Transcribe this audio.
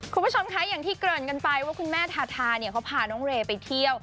คุณผู้ชมคะอย่างที่เกริ่นกันไปว่าคุณแม่ทาทาเนี่ยเขาพาน้องเรย์ไปเที่ยว